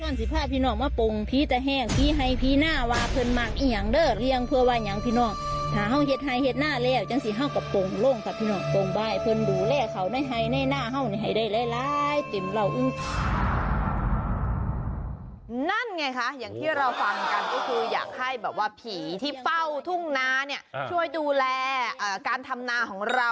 นั่นไงคะอย่างที่เราฟังกันก็คืออยากให้แบบว่าผีที่เป้าทุ่งน้ำ